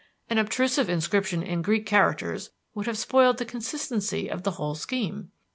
An obtrusive inscription in Greek characters would have spoiled the consistency of the whole scheme."